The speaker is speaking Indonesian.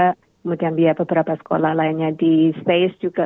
kemudian ya beberapa sekolah lainnya di space juga